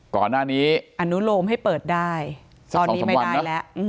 ก่อนหน้านี้อนุโรมให้เปิดได้ตอนนี้ไม่ได้แล้ว